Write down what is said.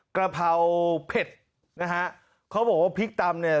กระเพราเผ็ดนะฮะเขาบอกว่าพริกตำเนี่ย